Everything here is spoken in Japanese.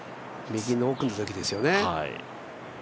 右の奥のところですよね。